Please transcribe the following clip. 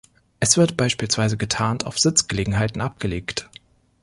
Es wird beispielsweise getarnt auf Sitzgelegenheiten abgelegt.